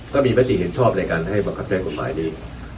ก็มีมติเห็นชอบในการให้บังคับใช้กฎหมายนี้